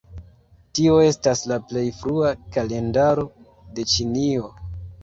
Tio estas la plej frua kalendaro de Ĉinio.